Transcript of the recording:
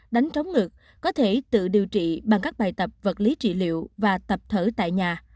đánh trống ngực có thể tự điều trị bằng các bài tập vật lý trị liệu và tập thở tại nhà